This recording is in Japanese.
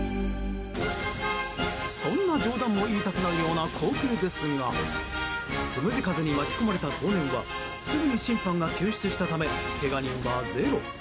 そんな冗談も言いたくなるような光景ですがつむじ風に巻き込まれた少年はすぐに審判が救出したためけが人は、ゼロ。